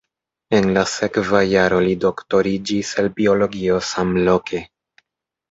En la sekva jaro li doktoriĝis el biologio samloke.